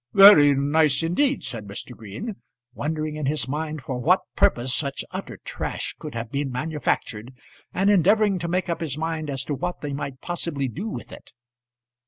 "Very nice indeed," said Mr. Green, wondering in his mind for what purpose such utter trash could have been manufactured, and endeavouring to make up his mind as to what they might possibly do with it.